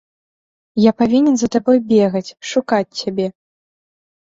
Я павінен за табой бегаць, шукаць цябе.